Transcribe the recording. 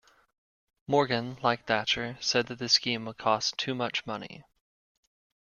Morgan, like Thatcher, said that the scheme would cost too much money.